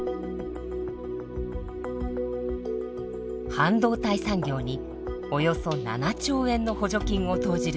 半導体産業におよそ７兆円の補助金を投じる